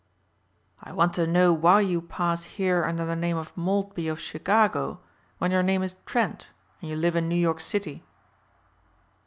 "I want to know why you pass here under the name of Maltby of Chicago when your name is Trent and you live in New York City."